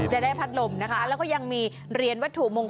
ได้พัดลมนะคะแล้วก็ยังมีเหรียญวัตถุมงคล